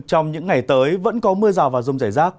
trong những ngày tới vẫn có mưa rào và rông rải rác